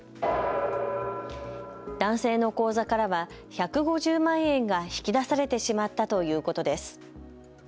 男性の口座からは１５０万円が引き出されてしまったということです。